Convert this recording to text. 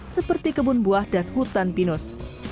seperti kebun buah dan hutan pinus